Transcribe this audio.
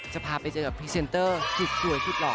จะพาไปเจอกับพรีเซนเตอร์ทุกหล่อ